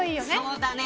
そうだね